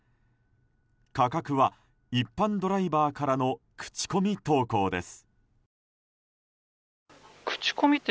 価格は一般ドライバーからの口コミ投稿です。